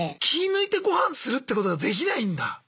気ぃ抜いてご飯するってことができないんだ。